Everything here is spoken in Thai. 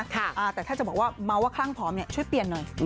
แต่ถ้าจะบอกว่าเมาว่าคลั่งผอมเนี่ยช่วยเปลี่ยนหน่อย